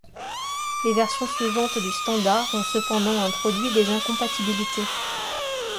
Les versions suivantes du standard ont cependant introduit des incompatibilités.